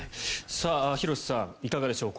廣瀬さん、いかがでしょう